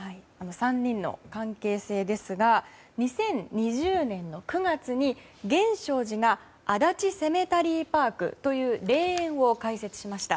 ３人の関係性ですが２０２０年の９月に源証寺が足立セメタリーパークという霊園を開設しました。